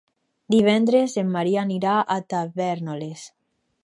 Divendres en Maria anirà a Tavèrnoles.